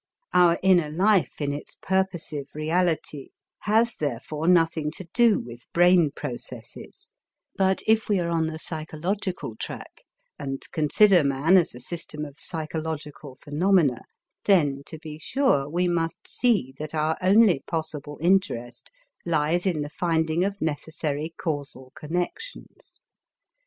Our inner life in its purposive reality has therefore nothing to do with brain processes, but if we are on the psychological track and consider man as a system of psychological phenomena, then to be sure, we must see that our only possible interest lies in the finding of necessary causal connections.